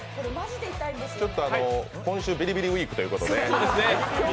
今週ビリビリウイークということで。